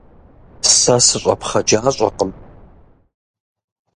Сэ сыщӏэпхъэджащӏэкъым.